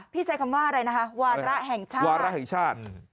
พี่ใช้คำว่าอะไรนะคะวาละแห่งชาติ